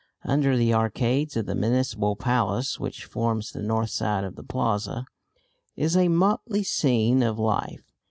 Under the arcades of the Municipal Palace, which forms the north side of the plaza, is a motley scene of life.